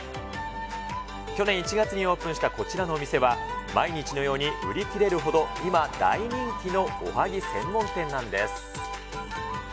去年１月にオープンしたこちらのお店は、毎日のように売り切れるほど、今、大人気のおはぎ専門店なんです。